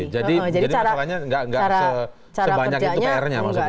jadi masalahnya nggak sebanyak itu pr nya maksudnya